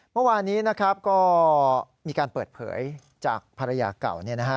เมื่อวานนี้นะครับก็มีการเปิดเผยจากภรรยาเก่า